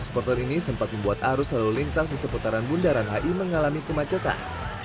supporter ini sempat membuat arus lalu lintas di seputaran bundaran hi mengalami kemacetan